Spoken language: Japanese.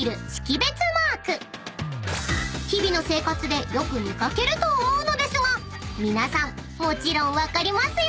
［日々の生活でよく見掛けると思うのですが皆さんもちろん分かりますよね？］